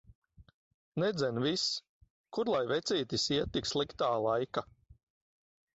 Nedzen vis! Kur lai vecītis iet tik sliktā laika.